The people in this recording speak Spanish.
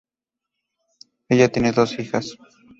Ella tiene dos hijas.